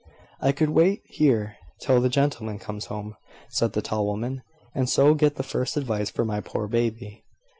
"I could wait here till the gentleman comes home," said the tall woman; "and so get the first advice for my poor baby.